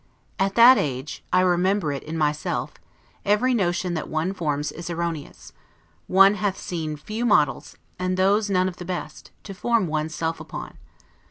At that age (I remember it in myself) every notion that one forms is erroneous; one hath seen few models, and those none of the best, to form one's self upon.